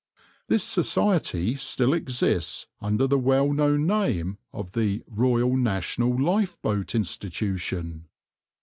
This Society still exists under the well known name of the Royal National Lifeboat Institution.